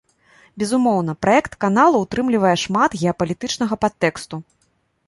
Безумоўна, праект каналу ўтрымлівае шмат геапалітычнага падтэксту.